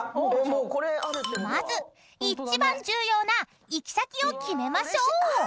［まず一番重要な行き先を決めましょう］